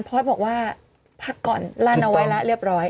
พอสบอกว่าพักก่อนลั่นเอาไว้แล้วเรียบร้อย